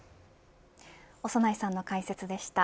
長内さんの解説でした。